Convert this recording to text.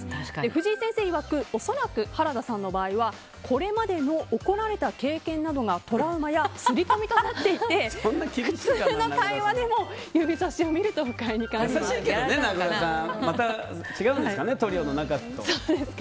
藤井先生曰く恐らく原田さんの場合はこれまでの怒られた経験などがトラウマや刷り込みとなっていて普通の会話でも指さしを見ると不快に感じるということです。